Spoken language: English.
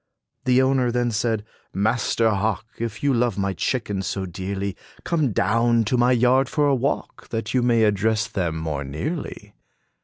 The owner then said, "Master Hawk, If you love my chickens so dearly, Come down to my yard for a walk, That you may address them more nearly."